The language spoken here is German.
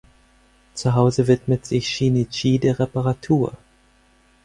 Zu Hause widmet sich Shinichi der Reparatur.